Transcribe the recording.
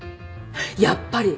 やっぱり！